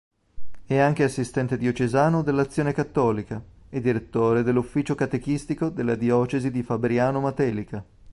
È anche assistente diocesano dell'Azione Cattolica e direttore dell'Ufficio catechistico della Diocesi di Fabriano-Matelica.